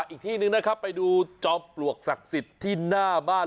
อีกที่หนึ่งนะครับไปดูจอมปลวกศักดิ์สิทธิ์ที่หน้าบ้าน